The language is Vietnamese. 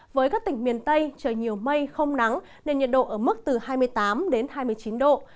với các tỉnh miền tây trời nhiều mây không nắng nên nhiệt độ ở mức từ hai mươi tám đến hai mươi chín độ